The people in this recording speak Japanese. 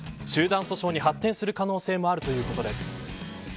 集団訴訟に発展する可能性もあるということです。